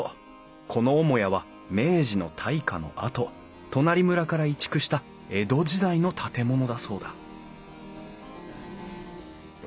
この母屋は明治の大火のあと隣村から移築した江戸時代の建物だそうだ渡